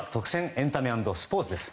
エンタメ＆スポーツです。